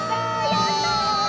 やった！